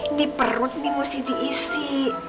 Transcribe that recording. ini perut ini mesti diisi